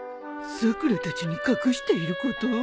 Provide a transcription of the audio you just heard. さくらたちに隠していること？